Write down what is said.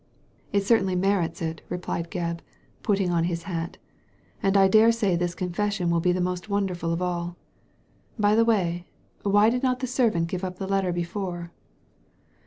''It certainly merits it," replied Gebb, putting on his hat, "and I dare say this confession will be the most wonderful of all. By the way, why did not the servant give up this letter before